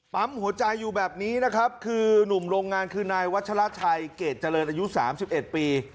ปั๊มหัวใจอยู่แบบนี้นะครับคือนุ่มโรงงานคือนายวัชราชัยเกรดเจริญอายุ๓๑ปี